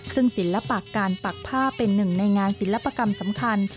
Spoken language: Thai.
ซึ่งศิลปะการปักผ้าเป็นหนึ่งในงานศิลปกรรมสำคัญ